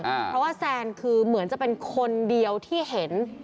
เพราะว่าแซนคือเหมือนจะเป็นคนเดียวที่เห็น